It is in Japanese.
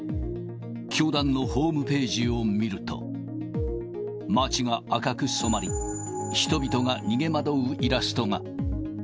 教団のホームページを見ると、街が赤く染まり、人々が逃げ惑うイラストが。